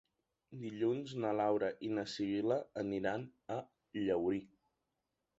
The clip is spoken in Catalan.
Dilluns na Laura i na Sibil·la aniran a Llaurí.